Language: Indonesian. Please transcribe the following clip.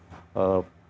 jadi untuk pengolahan